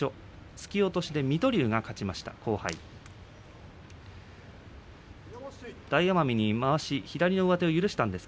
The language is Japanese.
突き落としで水戸龍が勝っています。